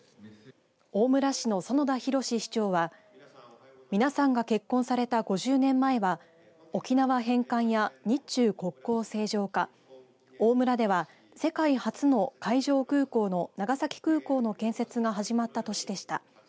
大村市の園田裕史市長は皆さんが結婚された５０年前は沖縄返還や日中国交正常化大村では、世界初の海上空港の長崎空港の建設が始まった年でした。